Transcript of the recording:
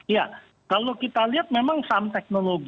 ya kalau kita lihat memang saham teknologi